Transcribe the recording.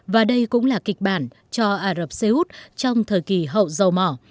và đây cũng là kịch bản cho ả rập xê út trong thời kỳ hậu dầu mỏ